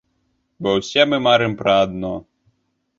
Бо ўсе мы марым пра адно.